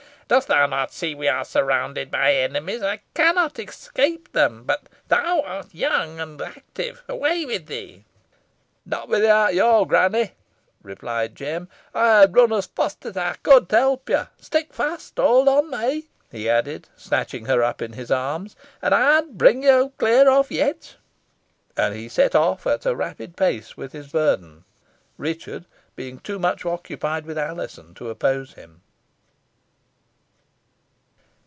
"Dost thou not see we are surrounded by enemies. I cannot escape them but thou art young and active. Away with thee!" "Not without yo, granny," replied Jem. "Ey ha' run os fast os ey could to help yo. Stick fast howld on me," he added, snatching her up in his arms, "an ey'n bring yo clear off yet." And he set off at a rapid pace with his burthen, Richard being too much occupied with Alizon to oppose him.